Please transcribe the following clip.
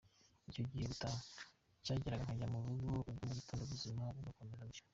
Igihe cyo gutaha cyarageraga, nkajya mu rugo ubwo mu gitondo ubuzima bugakomeza gutyo.